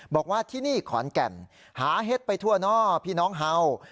บอกว่าที่นี่ขอนแก่นหาเห็ดไปทั่วนอกพี่น้องเห่า